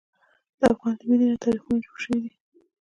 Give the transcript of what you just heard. د افغان له مینې نه تاریخونه جوړ شوي دي.